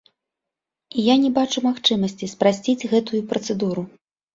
І я не бачу магчымасці спрасціць гэтую працэдуру.